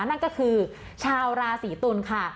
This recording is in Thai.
นั่นก็คือชาวราศีตุลค่ะ